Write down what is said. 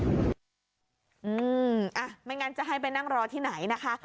อืมอ่ะไม่งั้นจะให้ไปนั่งรอที่ไหนนะคะ